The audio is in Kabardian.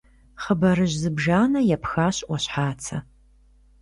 Хъыбарыжь зыбжанэ епхащ Ӏуащхьацэ.